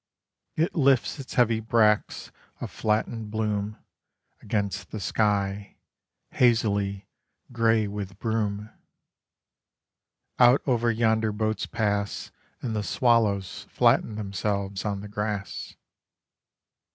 It lifts its heavy bracts of flattened bloom Against the sky Hazily grey with brume. Out over yonder boats pass And the swallows Flatten themselves on the grass.